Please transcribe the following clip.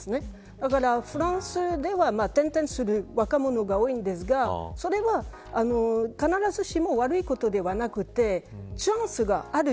だからフランスでは転々とする若者が多いんですがそれは必ずしもは悪いことではなくてチャンスがある。